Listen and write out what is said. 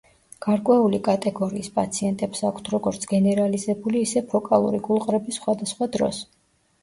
გარკვეული კატეგორიის პაციენტებს აქვთ როგორც გენერალიზებული, ისე ფოკალური გულყრები სხვადასხვა დროს.